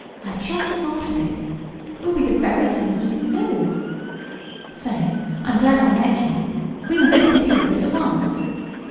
I just thought of it. It will be the very thing he can do. Say, I'm glad I met you. We must get busy with this at once.